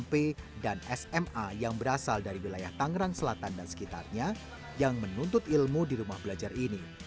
smp dan sma yang berasal dari wilayah tangerang selatan dan sekitarnya yang menuntut ilmu di rumah belajar ini